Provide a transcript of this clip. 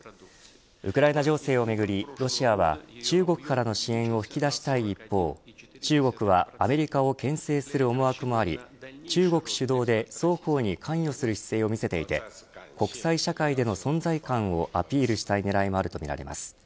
ウクライナ情勢をめぐりロシアは中国からの支援を引き出したい一方中国はアメリカをけん制する思惑もあり中国主導で双方に関与する姿勢を見せていて国際社会での存在感をアピールしたい狙いもあるとみられます。